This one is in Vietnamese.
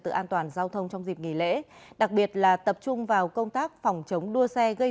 tự an toàn giao thông trong dịp nghỉ lễ đặc biệt là tập trung vào công tác phòng chống đua xe gây